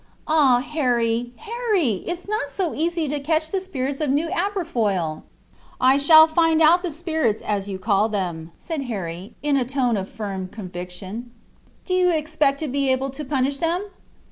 "Ah, Harry! Harry! it's not so easy to catch the spirits of New Aberfoyle!" "I shall find out the spirits as you call them," said Harry, in a tone of firm conviction. "Do you expect to be able to punish them?"